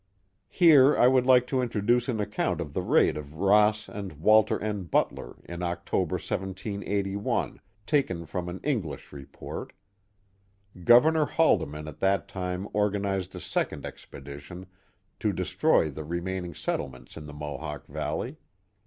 268 The Mohawk \^alley Here I would like to introduce an account of the raid of Ross and Walter N. Butler in October, 17S1, taken from an English report. Governor Haldiman at that time organized a second expedition to destroy the remaining settlements in tHc Mohawk Valley.